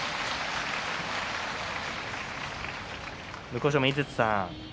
向正面井筒さん